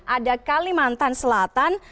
ada kalimantan selatan